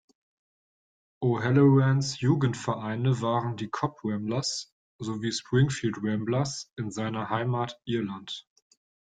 O’Hallorans Jugendvereine waren die Cobh Ramblers sowie Springfield Ramblers in seiner Heimat Irland.